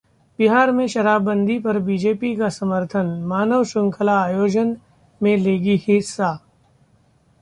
बिहार में शराबबंदी पर बीजेपी का समर्थन, मानव श्रृंखला आयोजन में लेगी हिस्सा